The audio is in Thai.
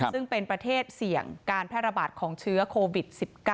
ซึ่งเป็นประเทศเสี่ยงการแพร่ระบาดของเชื้อโควิด๑๙